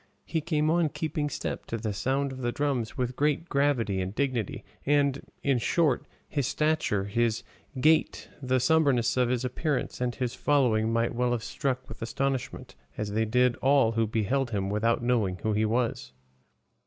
He came on keeping step to the sound of the drums with great gravity and dignity; and, in short, his stature, his gait, the sombreness of his appearance and his following might well have struck with astonishment, as they did, all who beheld him without knowing who he was.